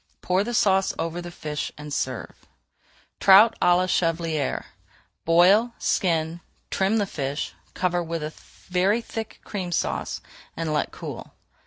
Pour the sauce over the fish and serve. TROUT À LA CHEVALIÈRE Boil, skin, trim the fish, cover with very thick Cream Sauce and let cool.